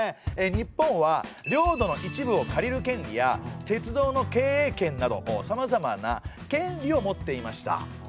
日本は領土の一部を借りる権利や鉄道の経営権などさまざまな権利を持っていました。